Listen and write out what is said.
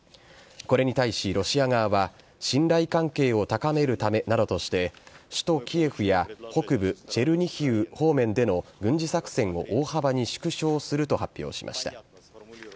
これに対し、ロシア側は、信頼関係を高めるためなどとして、首都キエフや、北部チェルニヒウ方面での軍事作戦を大幅に縮小すると発表しました。